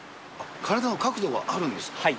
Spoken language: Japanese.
体の角度があるんですか。